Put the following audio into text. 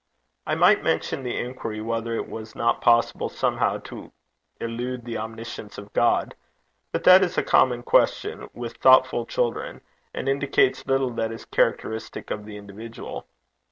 I might mention the inquiry whether it was not possible somehow to elude the omniscience of God; but that is a common question with thoughtful children, and indicates little that is characteristic of the individual.